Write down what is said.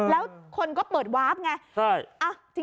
แล้วคนก็เปิดวาร์ฟไง